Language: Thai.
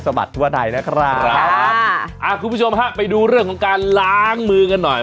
บัดทั่วไทยนะครับครับอ่าคุณผู้ชมฮะไปดูเรื่องของการล้างมือกันหน่อย